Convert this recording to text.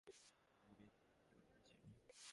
অনেকে বলে আমি নাকি পৃথিবীর সবচেয়ে গরিব প্রেসিডেন্ট।